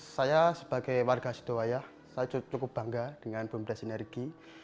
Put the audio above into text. saya sebagai warga sidowayah saya cukup bangga dengan bumdes sinergi